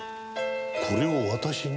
これを私に？